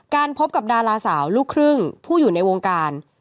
พบกับดาราสาวลูกครึ่งผู้อยู่ในวงการ